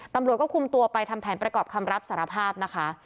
ตำรวจก็คุมตัวไปทำแผนประกอบคำรับสารภาพนะคะ